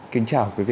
kính chào quý vị